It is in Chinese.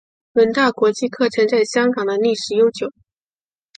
伦大国际课程在香港的历史悠久。